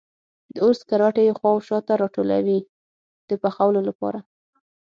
د اور سکروټي یې خوا و شا ته راټولوي د پخولو لپاره.